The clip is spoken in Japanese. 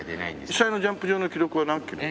実際のジャンプ場の記録は何キロ？